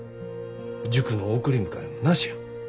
塾の送り迎えもなしや。